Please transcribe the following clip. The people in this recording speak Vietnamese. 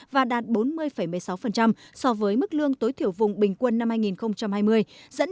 và đạt bốn mươi một mươi sáu so với mức lương tối thiểu vùng bình quân năm hai nghìn hai mươi